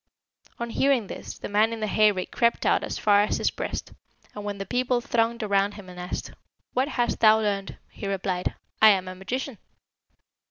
On hearing this, the man in the hayrick crept out as far as his breast, and when the people thronged around him and asked, 'What hast thou learned?' he replied, 'I am a magician.'